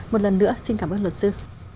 một lần nữa xin cảm ơn lột sư